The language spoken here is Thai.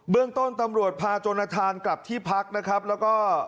เรื่องต้นตำรวจพาจนทานกลับที่พักนะครับแล้วก็